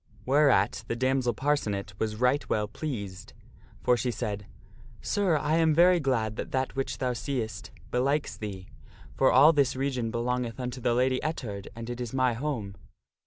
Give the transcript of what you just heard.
Whereat the damsel Parcenet was right well pleased, for she said, " Sir, 1 am very glad that that which thou seest belikes thee ; for all this region belongeth unto the Lady Ettard, and it is my home.